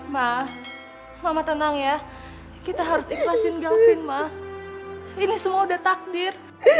mah mama tenang ya kita harus ikhlasin galvin ma ini semua udah takdir